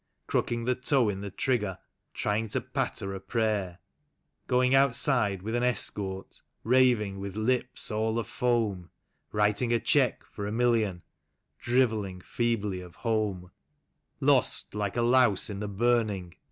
Crooking the toe in the trigger, trying to patter a prayer; Going outside with an escort, raving with lips all af oam ; "Writing a cheque for a million, drivelling feebly of home; Lost like a louse in the burning